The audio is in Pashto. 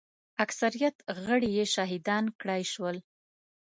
اکثریت غړي یې شهیدان کړای شول.